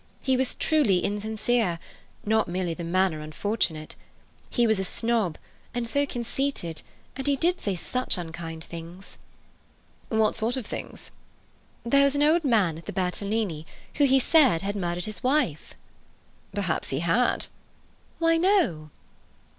He was truly insincere—not merely the manner unfortunate. He was a snob, and so conceited, and he did say such unkind things." "What sort of things?" "There was an old man at the Bertolini whom he said had murdered his wife." "Perhaps he had." "No!"